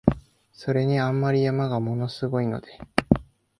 それに、あんまり山が物凄いので、